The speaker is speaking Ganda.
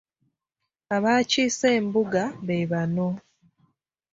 Abaakiise embuga be bano.